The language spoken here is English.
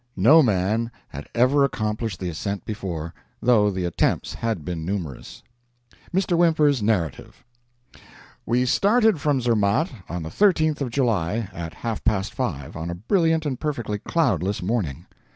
No man had ever accomplished the ascent before, though the attempts had been numerous. MR. WHYMPER'S NARRATIVE We started from Zermatt on the 13th of July, at half past five, on a brilliant and perfectly cloudless morning.